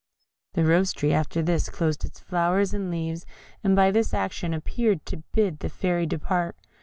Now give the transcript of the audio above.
The Rose tree after this closed its flowers and leaves, and by this action appeared to bid the Fairy depart.